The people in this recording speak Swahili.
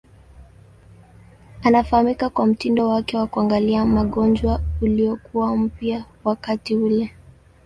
Anafahamika kwa mtindo wake wa kuangalia magonjwa uliokuwa mpya wakati ule.